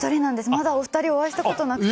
まだ、お二人とお会いしたことなくて。